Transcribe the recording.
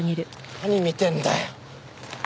何見てんだよ。